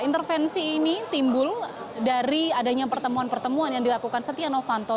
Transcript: intervensi ini timbul dari adanya pertemuan pertemuan yang dilakukan setia novanto